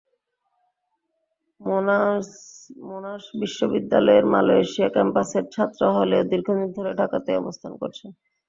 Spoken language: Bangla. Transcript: মোনাশ বিশ্ববিদ্যালয়ের মালয়েশিয়া ক্যাম্পাসের ছাত্র হলেও দীর্ঘদিন ধরে ঢাকাতেই অবস্থান করেছেন।